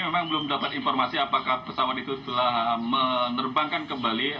tapi memang belum dapat informasi apakah pesawat itu telah menerbangkan ke bali